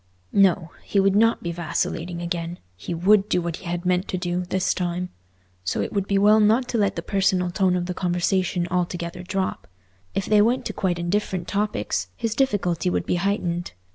No! He would not be vacillating again—he would do what he had meant to do, this time. So it would be well not to let the personal tone of the conversation altogether drop. If they went to quite indifferent topics, his difficulty would be heightened.